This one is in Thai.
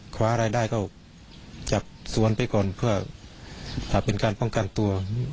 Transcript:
คว้าอะไรได้ก็จับสวนไปก่อนเพื่อเป็นการป้องกันตัว